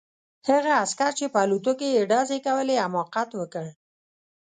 هغه عسکر چې په الوتکو یې ډزې کولې حماقت وکړ